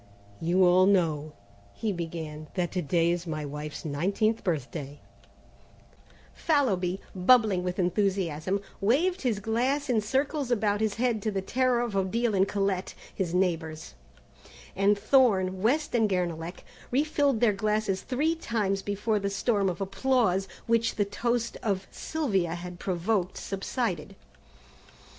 "You all know," he began, "that to day is my wife's nineteenth birthday " Fallowby, bubbling with enthusiasm, waved his glass in circles about his head to the terror of Odile and Colette, his neighbours, and Thorne, West and Guernalec refilled their glasses three times before the storm of applause which the toast of Sylvia had provoked, subsided.